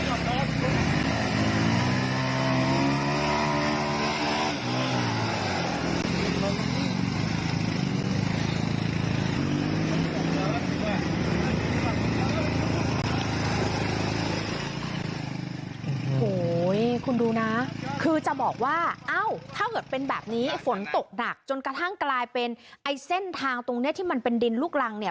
โอ้โหคุณดูนะคือจะบอกว่าเอ้าถ้าเกิดเป็นแบบนี้ฝนตกหนักจนกระทั่งกลายเป็นไอ้เส้นทางตรงนี้ที่มันเป็นดินลูกรังเนี่ย